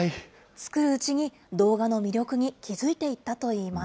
作るうちに、動画の魅力に気付いていったといいます。